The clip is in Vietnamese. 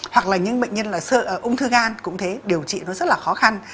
hoặc là những bệnh nhân là sợ ung thư gan cũng thế điều trị nó rất là khó khăn